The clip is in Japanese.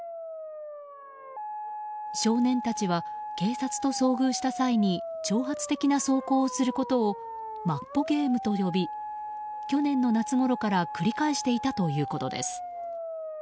少年たちは警察と遭遇した際に挑発的な走行をすることをマッポゲームと呼び去年の夏ごろから繰り返していたということです。